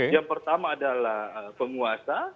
yang pertama adalah penguasa